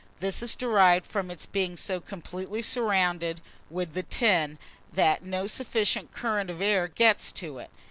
This is derived from its being so completely surrounded with the tin, that no sufficient current of air gets to it.